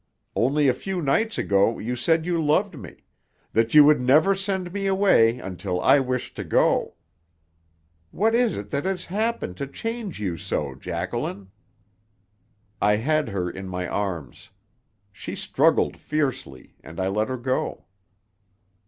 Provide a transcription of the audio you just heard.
Only a few nights ago you said you loved me; that you would never send me away until I wished to go. What is it that has happened to change you so, Jacqueline?" I had her in my arms. She struggled fiercely, and I let her go.